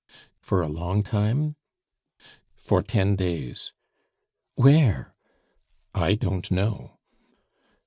"For a long time?" "For ten days." "Where?" "I don't know.